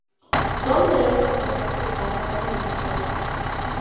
Son tres los bloques que conforman el museo.